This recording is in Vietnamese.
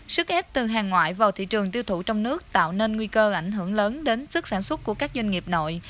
sức ép từ hàng ngoại vào thị trường tiêu thụ trong nước tạo nên nguy cơ ảnh hưởng lớn đến sức sản xuất của các doanh nghiệp nội